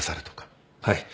はい。